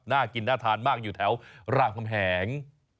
น่ากินน่าทานมากอยู่แถวรามคำแหง